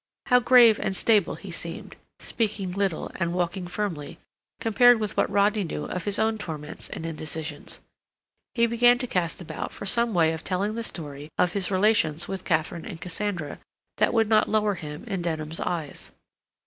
How grave and stable he seemed, speaking little, and walking firmly, compared with what Rodney knew of his own torments and indecisions! He began to cast about for some way of telling the story of his relations with Katharine and Cassandra that would not lower him in Denham's eyes.